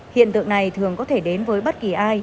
hiện tượng này thường có thể đến với bất kỳ ai